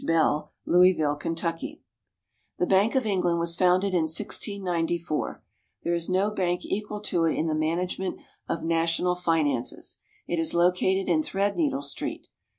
Bell, Louisville, Kentucky: The Bank of England was founded in 1694. There is no bank equal to it in the management of national finances. It is located in Threadneedle Street.